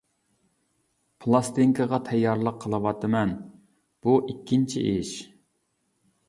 پىلاستىنكىغا تەييارلىق قىلىۋاتىمەن بۇ ئىككىنچى ئىش.